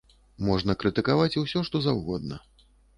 Можна крытыкаваць усё, што заўгодна.